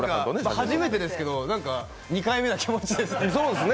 初めてですけど、何か２回目な気持ちですね。